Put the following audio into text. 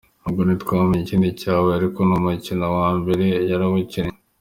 Ubwo ntitwamenya ikindi cyabaye ariko n’umukino wa mbere yarawukinnye.